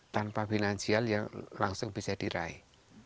tanpa finansial ya langsung bisa diraih